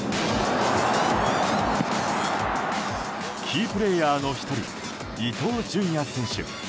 キープレーヤーの１人伊東純也選手。